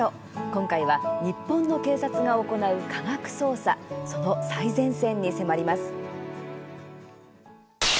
今回は、日本の警察が行う科学捜査、その最前線に迫ります。